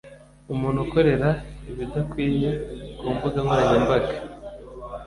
umuntu ukorera ibidakwiye ku mbuga nkoranyambaga.”